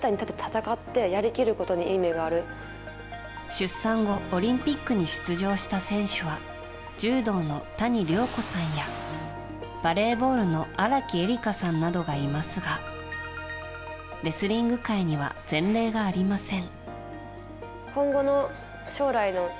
出産後オリンピックに出場した選手は柔道の谷亮子さんやバレーボールの荒木絵里香さんなどがいますがレスリング界には前例がありません。